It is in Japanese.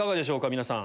皆さん。